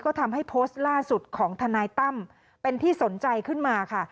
ก็ทำให้โพสต์ล่าสุดของทนายตั้มเป็นที่สนใจขึ้นมาค่ะ